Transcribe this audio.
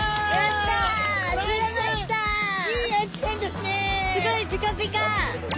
すごいピカピカ。